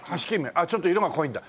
あっちょっと色が濃いんだ。